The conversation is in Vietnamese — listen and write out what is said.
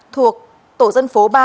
thuộc tổ dân phố ba